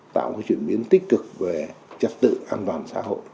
tạo chuyển biến tích cực về trật tự an toàn xã hội